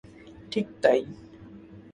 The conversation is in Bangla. ঠিক, তাই।